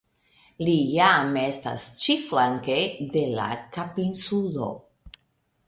Li jam estas ĉi-flanke de la Kapinsulo.